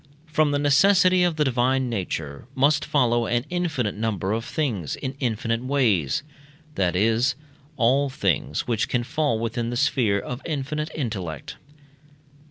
From the necessity of the divine nature must follow an infinite number of things in infinite ways that is, all things which can fall within the sphere of infinite intellect.